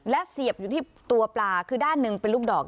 และเสียบอยู่ที่ตัวปลาคือด้านหนึ่งเป็นลูกดอก